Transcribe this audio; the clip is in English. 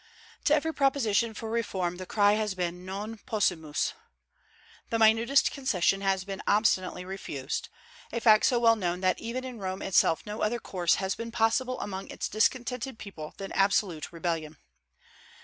To every proposition for reform the cry has been, Non possumus. The minutest concession has been obstinately refused, a fact so well known that even in Rome itself no other course has been possible among its discontented people than absolute rebellion.